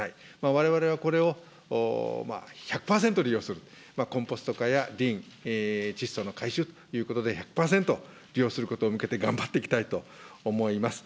われわれはこれを、１００％利用する、コンポスト化やリン、窒素の回収ということで、１００％利用することに向けて頑張っていきたいと思います。